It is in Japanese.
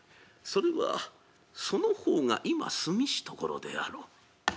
それはその方が今住みし所であろう。